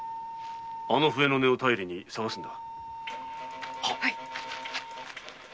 あの笛の音をたよりに探すのだ。